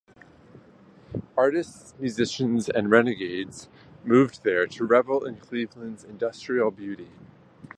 Artists, musicians and renegades moved there to revel in Cleveland's industrial beauty.